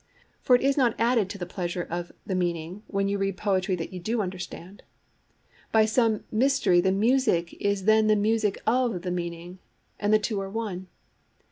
For it is not added to the pleasure of the meaning when you read poetry that you do understand: by some mystery the music is then the music of the meaning, and the two are one.